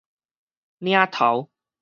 嶺頭